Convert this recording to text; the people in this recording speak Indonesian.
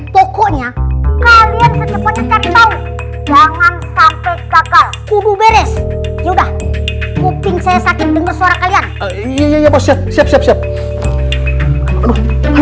pokoknya kalian secepatnya cari tahu